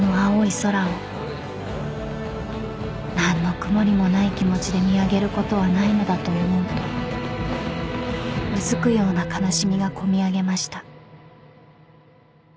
空を何の曇りもない気持ちで見上げることはないのだと思うとうずくような悲しみが込み上げました］